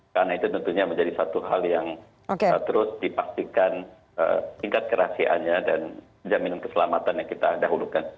karena itu tentunya menjadi satu hal yang harus dipastikan tingkat kerahsiannya dan jaminan keselamatan yang kita dahulukan